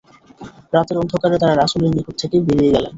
রাতের অন্ধকারে তাঁরা রাসূলের নিকট থেকে বেরিয়ে গেলেন।